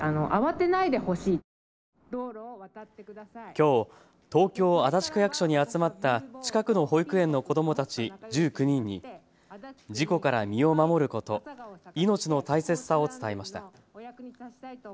きょう東京足立区役所に集まった近くの保育園の子どもたち１９人に事故から身を守ること、命の大切さを伝えました。